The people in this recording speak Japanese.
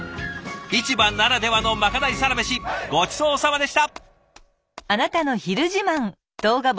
市場ならではのまかないサラメシごちそうさまでした！